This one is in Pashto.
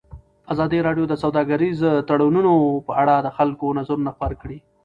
ازادي راډیو د سوداګریز تړونونه په اړه د خلکو نظرونه خپاره کړي.